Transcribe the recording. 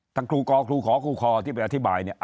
ครูกอครูขอครูคอที่ไปอธิบายเนี่ย